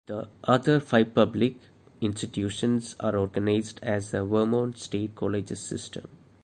The other five public institutions are organized as the Vermont State Colleges system.